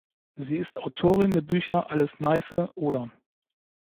Sie ist Autorin der Bücher „Alles Neiße, Oder?